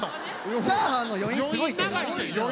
「チャーハン」の余韻すごいって。